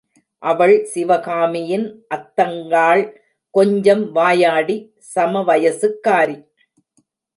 அவள் சிவகாமியின் அத்தங்காள் கொஞ்சம் வாயாடி சம வயசுக்காரி.